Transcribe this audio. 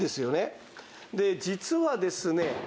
で実はですね